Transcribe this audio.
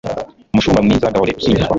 mushumba mwiza, gahore usingizwa